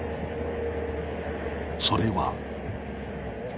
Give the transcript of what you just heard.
それは。